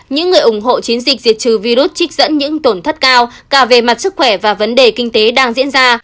những người ủng hộ chiến dịch diệt trừ virus trích dẫn những tổn thất cao cả về mặt sức khỏe và vấn đề kinh tế đang diễn ra